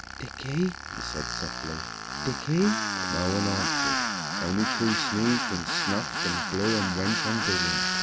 "Dickie," he said softly, "Dickie." But no one answered. Only True sneezed and snuffed and blew and went on digging.